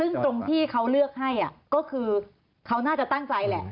ซึ่งตรงที่เขาเลือกให้ก็คือเขาน่าจะตั้งใจแหละ